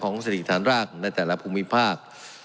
ของเศรษฐกิจฐานรากในแต่ละภูมิภาค